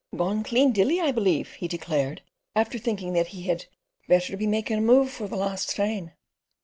"Gone clean dilly, I believe," he declared, after thinking that he had "better be making a move for the last train."